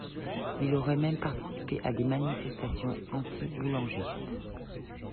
Il aurait même participé à des manifestations anti-boulangistes.